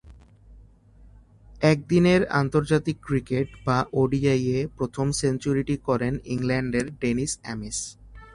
একদিনের আন্তর্জাতিক ক্রিকেট বা ওডিআইয়ে প্রথম সেঞ্চুরিটি করেন ইংল্যান্ডের ডেনিস অ্যামিস।